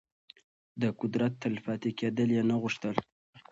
د قدرت تل پاتې کېدل يې نه غوښتل.